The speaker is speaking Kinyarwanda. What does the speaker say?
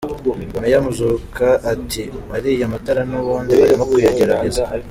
Meya Muzuka ati “ariya matara n’ubundi barimo kuyagerageza.